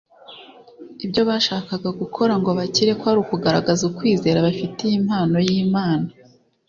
ibyo babashaga gukora ngo bakire; kwari ukugaragaza ukwizera bafitiye impano y'Imana.